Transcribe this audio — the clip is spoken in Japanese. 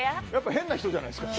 変な人じゃないですか。